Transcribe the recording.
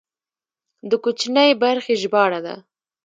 د کوچنۍ برخې ژباړه ده.